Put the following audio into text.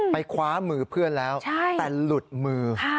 คว้ามือเพื่อนแล้วแต่หลุดมือ